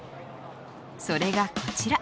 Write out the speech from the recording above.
それがこちら。